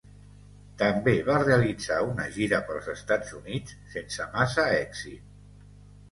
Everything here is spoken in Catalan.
També va realitzar una gira pels Estats Units sense massa èxit.